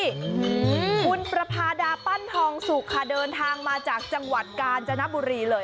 อืมคุณประพาดาปั้นทองสุกค่ะเดินทางมาจากจังหวัดกาญจนบุรีเลย